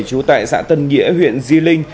chú tại xã tân nghĩa huyện di linh